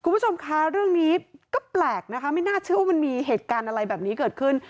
คุณผู้ชมคะเรื่องนี้ก็แปลกนะคะไม่น่าเชื่อว่ามันมีเหตุการณ์อะไรแบบนี้เกิดขึ้น